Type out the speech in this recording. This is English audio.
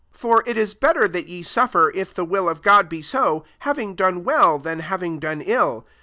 17 For it is better that ye suffer, if the will of God be so, having done well, than having done ill.